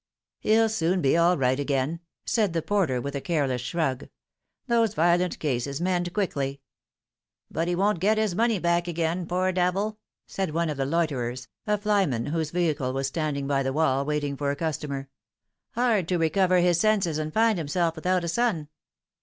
"He'll soon be all right again," said the porter with a careless shrug ;" those violent cases mend quickly." " But he won't get his money back again, poor devil," said one of the loiterers, a flyman whose vehicle was standing by the wall, waiting for a customer. " Hard to recover his senses and find himself without a sou."